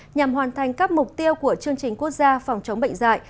nhằm hoàn thành các mục tiêu của chương trình quốc gia phòng chống bệnh dạy